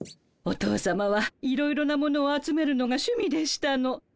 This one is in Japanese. お父さまはいろいろな物を集めるのがしゅみでしたの。